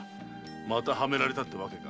またはめられたってわけか。